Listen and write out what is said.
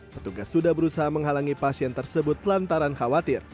petugas sudah berusaha menghalangi pasien tersebut lantaran khawatir